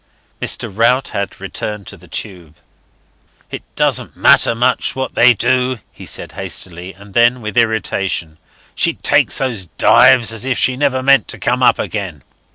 Mr. Rout had returned to the tube. "It don't matter much what they do," he said, hastily; and then, with irritation, "She takes these dives as if she never meant to come up again."